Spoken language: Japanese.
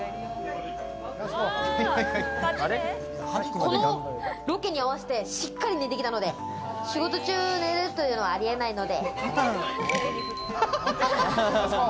このロケに合わせてしっかり寝てきたので、仕事中寝るというのは、ありえないので。